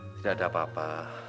tidak ada apa apa